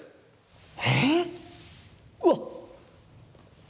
え⁉うわっ！